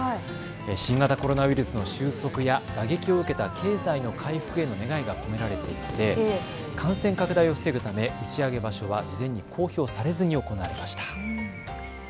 新型コロナウイルスの終息や打撃を受けた経済の回復への願いが込められていて感染拡大を防ぐため打ち上げ場所は事前に公表されずに行われました。